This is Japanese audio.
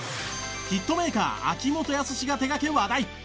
ヒットメーカー秋元康が手掛け話題！